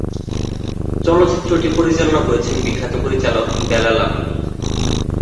চলচ্চিত্রটি পরিচালনা করেছেন বিখ্যাত পরিচালক বেলাল আহমেদ।